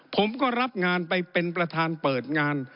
ผมก็รับงานไปเป็นประธานเปิดงาน